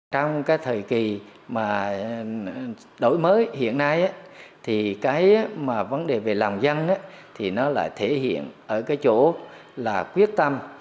trong cái thời kỳ mà đổi mới hiện nay thì cái mà vấn đề về lòng dân thì nó lại thể hiện ở cái chỗ là quyết tâm